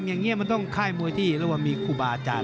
อย่างนี้มันต้องค่ายมวยที่เรียกว่ามีครูบาอาจารย์